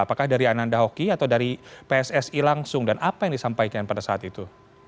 apakah dari ananda hoki atau dari pssi langsung dan apa yang disampaikan pada saat itu